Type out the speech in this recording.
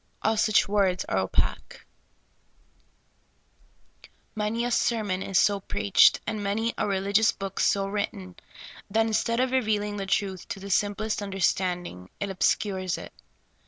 All such words are opaque. Many a sermon is so preached, and many a relig ious book so written, that instead of revealing the truth to the simplest understanding, it obscures it.